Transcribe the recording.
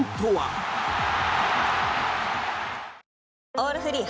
「オールフリー」